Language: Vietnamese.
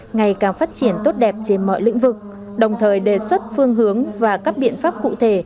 ngày càng phát triển tốt đẹp trên mọi lĩnh vực đồng thời đề xuất phương hướng và các biện pháp cụ thể